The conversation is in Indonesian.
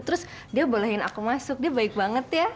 terus dia bolehin aku masuk dia baik banget ya